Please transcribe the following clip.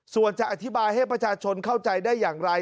ส่วนจะอธิบายให้ประชาชนเข้าใจได้อย่างไร